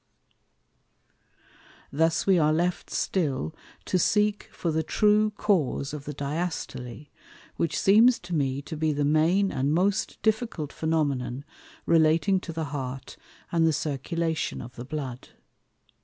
Thus we are left still to seek for the true Cause of the Diastole, which seems to me to be the main and most difficult Phænomenon, relating to the Heart and the Circulation of the Blood.